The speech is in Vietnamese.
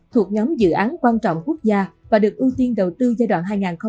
thuộc nhóm dự án quan trọng quốc gia và được ưu tiên đầu tư giai đoạn hai nghìn hai mươi một hai nghìn ba mươi